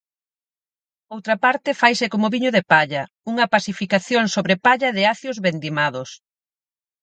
Outra parte faise como viño de palla, unha pasificación sobre palla de acios vendimados.